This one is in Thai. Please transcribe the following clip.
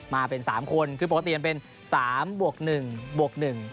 มาเป็น๓คนคือปกติมันเป็น๓บวก๑บวก๑